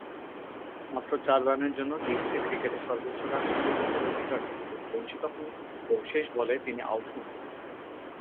মাত্র চার রানের জন্য লিস্ট-এ ক্রিকেটে সর্বোচ্চ রান সংগ্রাহকের অধিকার থেকে বঞ্চিত হন ও শেষ বলে তিনি আউট হন।